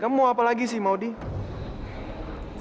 apa lagi sih maudie